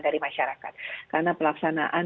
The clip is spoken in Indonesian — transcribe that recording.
dari masyarakat karena pelaksanaan